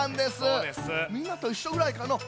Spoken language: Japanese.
みんなといっしょぐらいかのう。